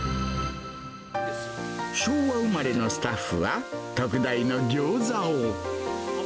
昭和生まれのスタッフは、特大のギョーザを。